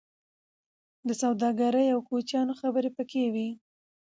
د سوداګرۍ او کوچیانو خبرې پکې دي.